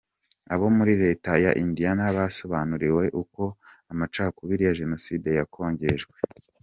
Abo muri Leta ya Indiana basobanuriwe uko amacakubiri ya Jenoside yakongejwe.